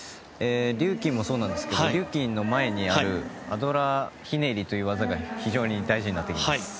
リューキンもそうですがリューキンの前にあるアドラーひねりという技が非常に大事になってきます。